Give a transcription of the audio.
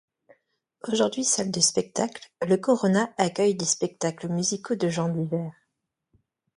Aujourd'hui salle de spectacle, le Corona accueille des spectacles musicaux de genres divers.